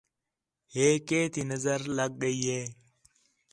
ہے کیتی نظر لڳ ڳئی ہِے